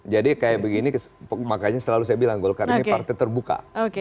jadi kayak begini makanya selalu saya bilang golkar ini partai terbuka